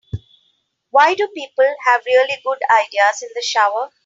Why do people have really good ideas in the shower?